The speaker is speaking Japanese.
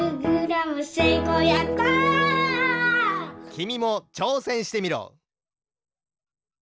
きみもちょうせんしてみろ。